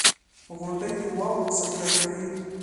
• غونډۍ د واورو ذخېره کوي.